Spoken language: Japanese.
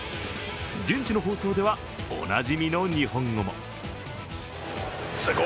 現地の放送では、おなじみの日本語も。